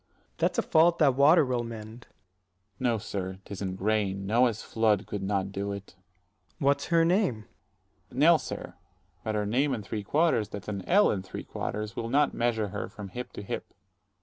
S._ That's a fault that water will mend. Dro. S. No, sir, 'tis in grain; Noah's flood could not 105 do it. Ant. S. What's her name? Dro. S. Nell, sir; but her name and three quarters, that's an ell and three quarters, will not measure her from hip to hip.